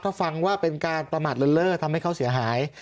ถ้าฟังว่าเป็นการประมาทเลินเล่อทำให้เขาเสียหาย